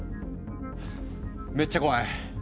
めっちゃ怖い。